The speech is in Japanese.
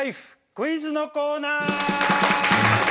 クイズのコーナー！